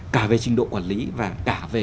cả về trình độ quản lý và cả về